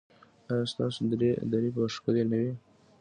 ایا ستاسو درې به ښکلې نه وي؟